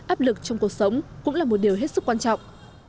áp lực trong cuộc sống cũng là một điều hết sức quan trọng